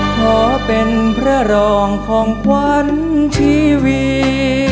ขอเป็นพระรองของขวัญชีวิต